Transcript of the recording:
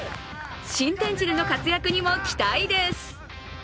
新天地での活躍にも期待です。